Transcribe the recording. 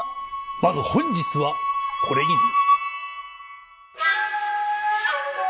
まず本日はこれぎり。